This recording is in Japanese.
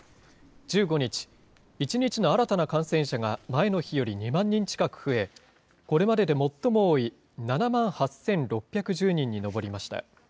１５日、１日の新たな感染者が前の日より２万人近く増え、これまで最も多い７万８６１０人に上りました。